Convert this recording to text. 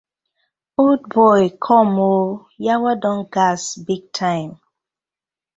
Old boy com ooo!!! Yawa don gas big time.